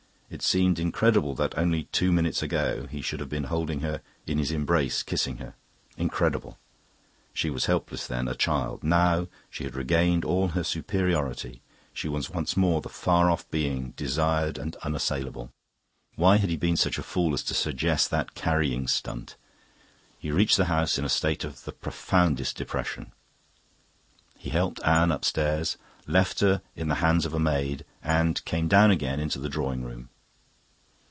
It seemed incredible that, only two minutes ago, he should have been holding her in his embrace, kissing her. Incredible. She was helpless then, a child. Now she had regained all her superiority; she was once more the far off being, desired and unassailable. Why had he been such a fool as to suggest that carrying stunt? He reached the house in a state of the profoundest depression. He helped Anne upstairs, left her in the hands of a maid, and came down again to the drawing room.